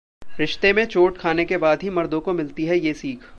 रिश्ते में चोट खाने के बाद ही मर्दों को मिलती है ये सीख